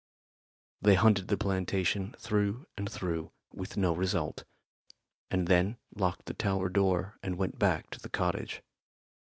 They hunted the plantation through and through with no result, and then locked the tower door and went back to the cottage.